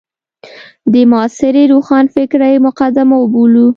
د معاصرې روښانفکرۍ مقدمه وبولو.